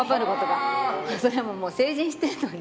それも成人してるのに。